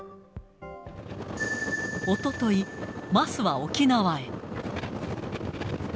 おととい、桝は沖縄へ。